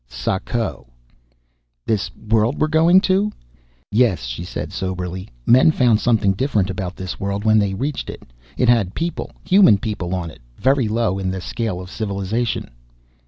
"Sako." "This world we're going to?" "Yes," she said soberly. "Men found something different about this world when they reached it. It had people human people on it, very low in the scale of civilization."